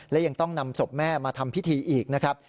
และยังต้องนำศพแม่มาทำพิธีอีกนะครับ